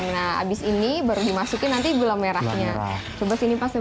nah abis ini baru dimasukkan gula merahnya